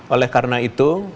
oleh karena itu